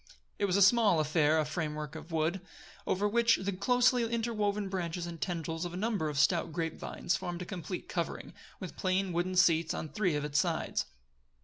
It was a small affair a framework of wood, over which the closely interwoven branches and tendrils of a number of stout grape vines formed a complete covering, with plain wooden seats on three of its sides.